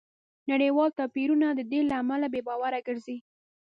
نړیوال توپیرونه د دې له امله بې باوره ګرځي